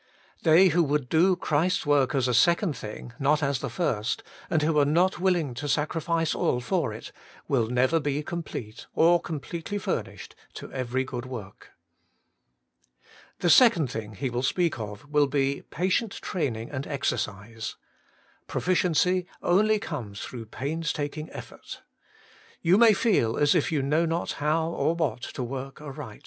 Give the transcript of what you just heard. They who would do Christ's work as a second thing, not as the first, and who are not willing to sacrifice all for it, will never be complete or completely furnished to every good work. The second thing he will speak of will be patient training and exercise. Proficiency only comes through painstaking effort. You may feel as if you know not how or what to work aright.